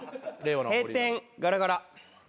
閉店ガラガラ。